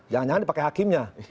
jangan jangan dipakai hakimnya